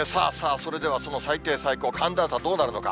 それでは、その最低最高、寒暖差、どうなるのか。